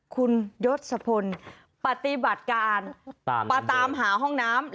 คุณยศพลปฏิบัติการมาตามหาห้องน้ำ